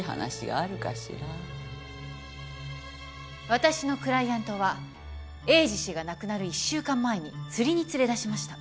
私のクライアントは栄治氏が亡くなる１週間前に釣りに連れ出しました。